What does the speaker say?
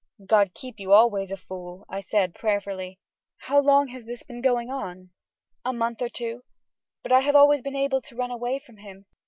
"God keep you always a fool," said I, prayerfully. "How long has this been going on?" "A month or two; but I have always been able to run away from him.